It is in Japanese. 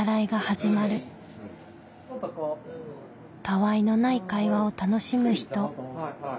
たわいのない会話を楽しむ人。